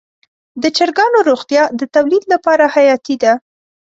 د چرګانو روغتیا د تولید لپاره حیاتي ده.